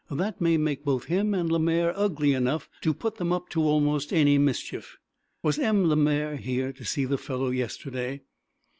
That may make both him and Lemaire ugly enough to put them up to almost any mischief. Was M. Lemaire here to see the fellow yesterday?"